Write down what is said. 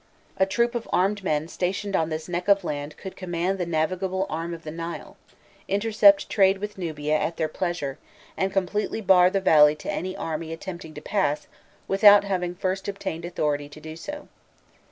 A troop of armed men stationed on this neck of land could command the navigable arm of the Nile, intercept trade with Nubia at their pleasure, and completely bar the valley to any army attempting to pass without having first obtained authority to do so.